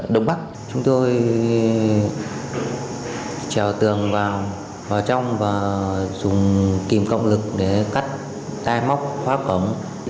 đồng bắc chúng tôi trèo tường vào trong và dùng kìm cộng lực để cắt tai móc khóa cổng